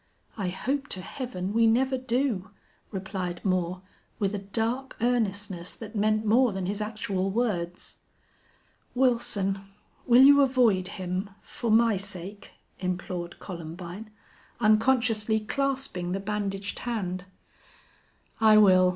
"I hope to Heaven we never do," replied Moore, with a dark earnestness that meant more than his actual words. "Wilson, will you avoid him for my sake?" implored Columbine, unconsciously clasping the bandaged hand. "I will.